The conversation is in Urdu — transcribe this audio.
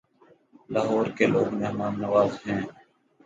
لاہور کے لوگ مہمان نواز ہیں